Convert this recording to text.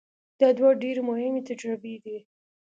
دا دوه ډېرې مهمې تجربې دي.